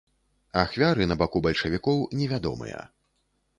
Ахвяры на баку бальшавікоў невядомыя.